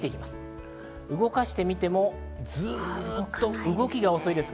動かしてみても、ずっと動きが遅いです。